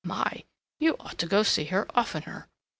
My! You ought to go see her oftener!"